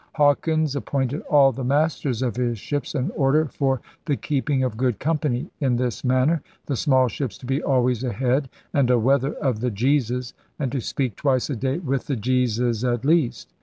Hawkins 'ap pointed all the masters of his ships an Order for the keeping of good company in this manner: — The small ships to be always ahead and aweather of the Jesus, and to speak twice a day with the Jesus at least.